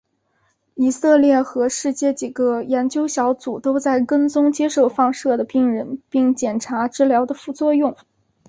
以色列和世界几个研究小组都在跟踪接受放射的病人并检查治疗的副作用。